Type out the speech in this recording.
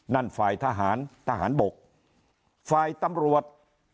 นั่นฝ่ายทหารทหารบกฝ่ายตำรวจ